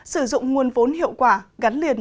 sử dụng nguồn vốn hiệu quả gắn liền